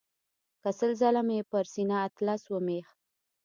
که سل ځله مې پر سینه اطلس ومیښ.